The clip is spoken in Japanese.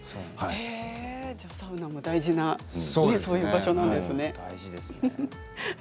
サウナも大事な場所なんですね。